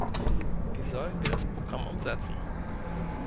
Wie sollen wir das Programm umsetzen?